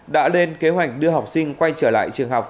đã lên kế hoạch đưa học sinh quay trở lại trường học